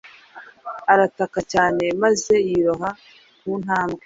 Arataka cyane, maze yiroha ku ntambwe,